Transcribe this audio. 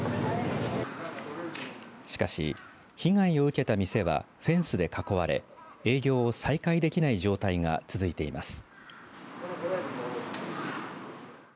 しかし、被害を受けた店はフェンスで囲われ営業が再開できない状態が続いています。